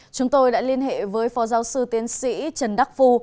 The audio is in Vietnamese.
chúng tôi đã liên hệ với phó giáo sư tiến sĩ trần đắc phu